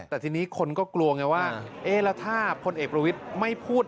แต่ทีนี้คนก็กลัวไงว่าเอ๊ะแล้วถ้าพลเอกประวิทย์ไม่พูด